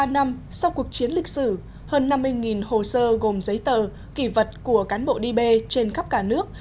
ba năm sau cuộc chiến lịch sử hơn năm mươi hồ sơ gồm giấy tờ kỳ vật của cán bộ db trên khắp cả nước